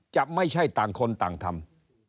จะไม่ใช่ต่างคนต่างทำ